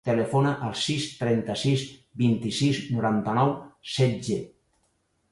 Telefona al sis, trenta-sis, vint-i-sis, noranta-nou, setze.